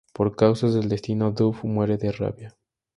Por causas del destino, Duff muere de rabia.